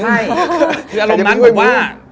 ใช่คืออารมณ์นั้นคือว่า